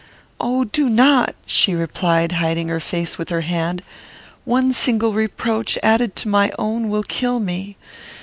"Oh, do not," she replied, hiding her face with her hand. "One single reproach, added to my own, will kill me.